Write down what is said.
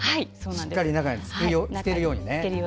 しっかり中につけるように。